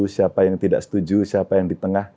siapa yang tidak setuju siapa yang di tengah